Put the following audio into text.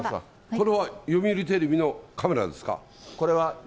これは読売テレビのカメラですか？